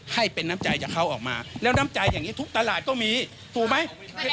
ให้เป็นน้ำใจจากเขาออกมาแล้วน้ำใจอย่างนี้ทุกตลาดก็มีถูกไหม